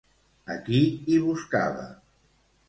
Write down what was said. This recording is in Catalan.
A qui hi buscava?